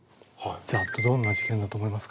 じゃあどんな事件だと思いますか？